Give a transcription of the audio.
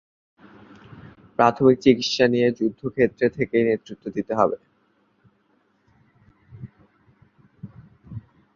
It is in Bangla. প্রাথমিক চিকিৎসা নিয়ে যুদ্ধক্ষেত্রে থেকেই নেতৃত্ব দিতে থাকেন।